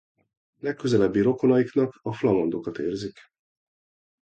Legközelebbi rokonaiknak a flamandokat érzik.